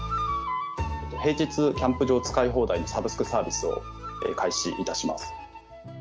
平日キャンプ場使い放題、サブスクサービスを開始いたします。